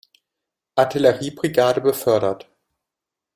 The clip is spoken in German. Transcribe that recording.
Artilleriebrigade befördert.